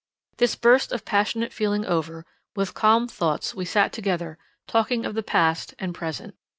This burst of passionate feeling over, with calmed thoughts we sat together, talking of the past and present.